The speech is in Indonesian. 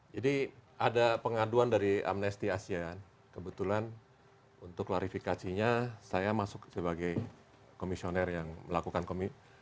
jadi ada pengaduan dari amnesty asia kebetulan untuk klarifikasinya saya masuk sebagai komisioner yang melakukan klarifikasi kepada penyidik